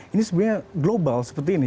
ini sebenarnya global seperti ini